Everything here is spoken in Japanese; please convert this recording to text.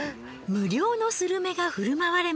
無料のスルメが振る舞われる？